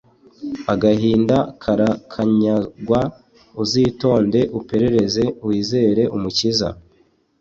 agahinda karakanyagwa, uzitonde uperereze wizere umukiza